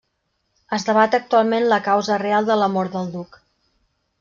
Es debat actualment la causa real de la mort del duc.